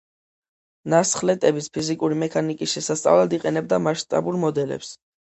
ნასხლეტების ფიზიკური მექანიკის შესასწავლად იყენებდა მასშტაბურ მოდელებს.